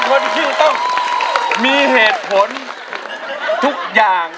คนที่ต้องมีเหตุผลทุกอย่าง